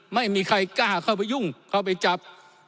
ไม่มีใครกล้าเข้าไปยุ่งเข้าไปจับ